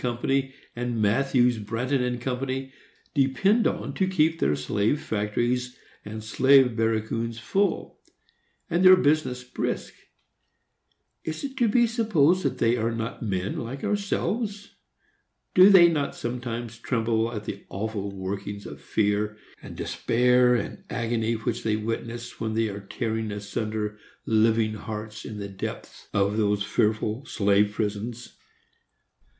and Matthews, Branton & Co., depend upon to keep their slave factories and slave barracoons full, and their business brisk? Is it to be supposed that they are not men like ourselves? Do they not sometimes tremble at the awful workings of fear, and despair, and agony, which they witness when they are tearing asunder living hearts in the depths of those fearful slave prisons?